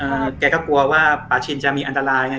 แกก็กลัวว่าป่าชินจะมีอันตรายไง